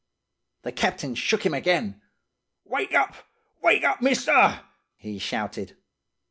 The captain shook him again, 'Wake up! Wake up, mister!' he shouted.